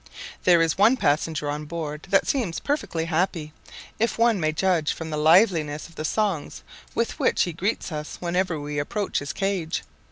There is one passenger on board that seems perfectly happy, if one may judge from the liveliness of the songs with which he greets us whenever we approach his cage.